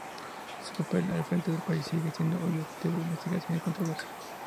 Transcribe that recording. Su papel al frente del país sigue siendo hoy objeto de investigación y controversia.